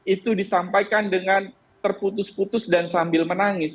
itu disampaikan dengan terputus putus dan sambil menangis